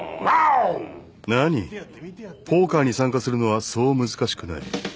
なあにポーカーに参加するのはそう難しくない。